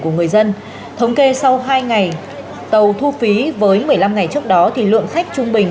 của người dân thống kê sau hai ngày tàu thu phí với một mươi năm ngày trước đó thì lượng khách trung bình